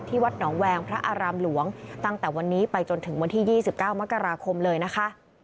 วัดหนองแวงพระอารามหลวงตั้งแต่วันนี้ไปจนถึงวันที่๒๙มกราคมเลยนะคะ